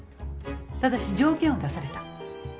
ただし条件を出された。